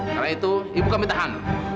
karena itu ibu kami tahan